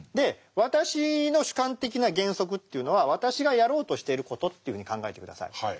「私の主観的な原則」というのは私がやろうとしている事というふうに考えて下さい。